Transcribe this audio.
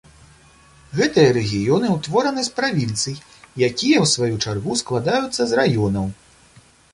Гэтыя рэгіёны ўтвораны з правінцый, якія, у сваю чаргу, складаюцца з раёнаў.